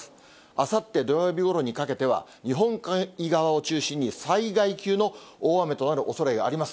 あさって土曜日ごろにかけては、日本海側を中心に災害級の大雨となるおそれがあります。